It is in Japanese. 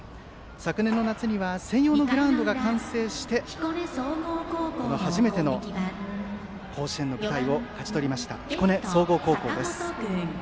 昨年の夏には専用のグラウンドが完成して初めての甲子園の舞台を勝ち取った彦根総合高校です。